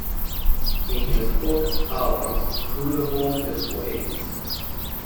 In his book How Inscrutable His Ways!